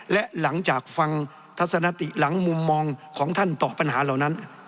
และหลังจากฟังทัศนติหลังมุมมองของท่านต่อปัญหาเหล่านั้น